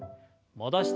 戻して。